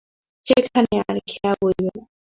সেখানে আর খেয়া বইবে না।